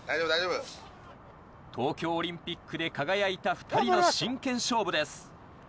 東京オリンピックで輝いた２人の真剣勝負です。